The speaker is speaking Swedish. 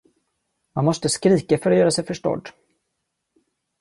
Man måste skrika för att göra sig förstådd.